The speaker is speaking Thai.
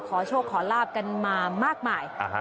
ขอโชคขอลาบกันมามากมาย